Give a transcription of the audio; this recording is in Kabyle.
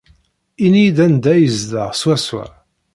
Ini-iyi-d anda ay yezdeɣ swaswa.